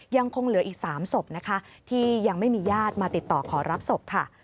ยังคงเหลืออีก๓ศพนะคะที่ยังไม่มีญาติมาติดต่อขอรับศพค่ะ